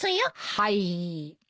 はい。